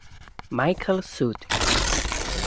Michael South.